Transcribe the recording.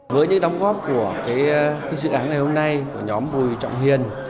với những đóng góp của dự án ngày hôm nay của nhóm bùi trọng hiền